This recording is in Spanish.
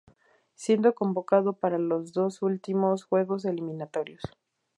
Siendo convocado para los dos últimos juegos eliminatorios.